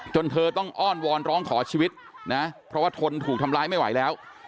เธอต้องอ้อนวอนร้องขอชีวิตนะเพราะว่าทนถูกทำร้ายไม่ไหวแล้ว